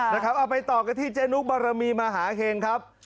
เอาไปต่อกันที่เจ๊นุกบารมีมหาเห็งครับ